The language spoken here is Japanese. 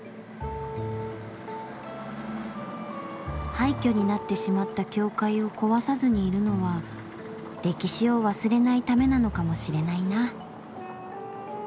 廃虚になってしまった教会を壊さずにいるのは歴史を忘れないためなのかもしれないな。